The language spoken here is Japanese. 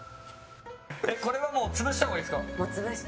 これは潰したほうがいいですか？